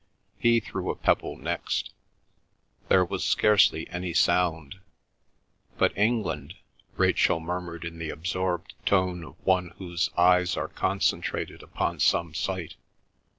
He threw a pebble next. There was scarcely any sound. "But England," Rachel murmured in the absorbed tone of one whose eyes are concentrated upon some sight.